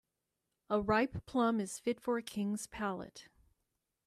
A ripe plum is fit for a king's palate.